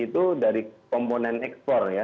itu dari komponen ekspor ya